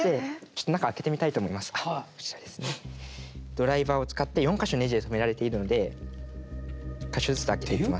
ドライバーを使って４か所ネジで止められているので１か所ずつ開けていきます。